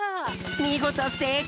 みごとせいこう！